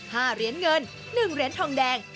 ๕เหรียญเงิน๑เหรียญทองแดง